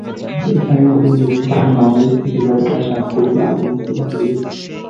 এখানে নতুন যুক্ত হলেন বাংলাদেশ থেকে বেড়াতে আসা কবি আলী মোস্তফা চৌধুরী।